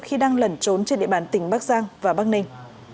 khi đang lẩn trốn trên địa bàn tỉnh bắc giang và bắc ninh